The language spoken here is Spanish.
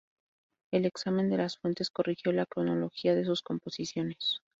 El examen de las fuentes corrigió la cronología de sus composiciones.